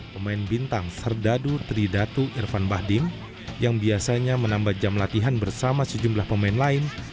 pemain bintang serdadu tridatu irfan bahdim yang biasanya menambah jam latihan bersama sejumlah pemain lain